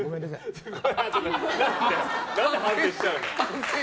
何で反省しちゃうの。